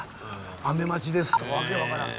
雨待ちですとか訳分からん。